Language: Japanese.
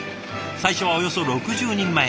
最初はおよそ６０人前。